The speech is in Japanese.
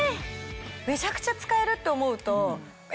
めちゃくちゃ使えるって思うと。